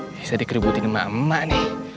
bisa dikeributin sama emak emak nih